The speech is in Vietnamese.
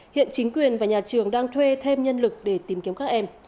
hiện chính quyền và nhà trường đang thuê thêm nhân lực để tìm kiếm các em